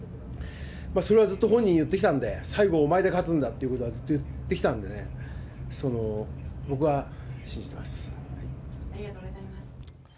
それはずっと本人に言ってきたんで、最後、お前で勝つんだということはずっと言ってきたんでね、ありがとうございます。